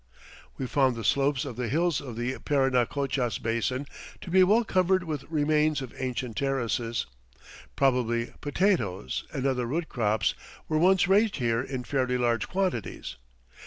We found the slopes of the hills of the Parinacochas Basin to be well covered with remains of ancient terraces. Probably potatoes and other root crops were once raised here in fairly large quantities.